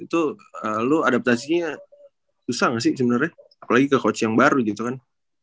itu lo adaptasinya susah nggak sih sebenarnya apalagi ke coach yang baru gitu kan